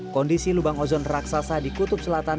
kondisi lubang ozon raksasa di kutub selatan